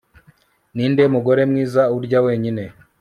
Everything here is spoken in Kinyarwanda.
Ninde mugore mwiza urya wenyine